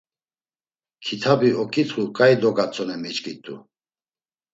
Kitabi oǩitxu ǩai dogatzonen miçkit̆u.